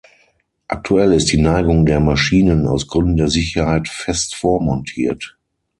Aktuell ist die Neigung der Maschinen aus Gründen der Sicherheit fest vormontiert.